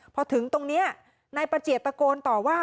พอถึงตรงนี้นายประเจียบตะโกนต่อว่า